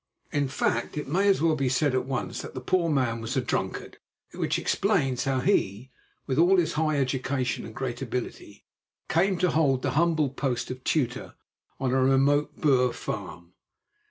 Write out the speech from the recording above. In fact, it may as well be said at once that the poor man was a drunkard, which explains how he, with all his high education and great ability, came to hold the humble post of tutor on a remote Boer farm.